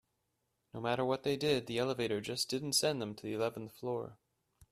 No matter what they did, the elevator just didn't send them to the eleventh floor.